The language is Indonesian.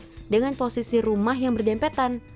pemukiman padat dengan posisi rumah yang berjempetan